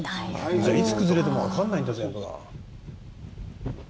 じゃあいつ崩れてもわかんないんだ。